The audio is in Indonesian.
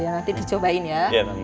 iya nanti dicobain ya